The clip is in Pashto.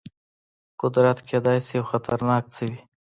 قدرت کېدای شي یو خطرناک څه وي.